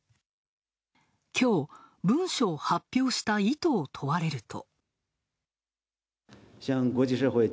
きょう、文書を発表した意図を問われると。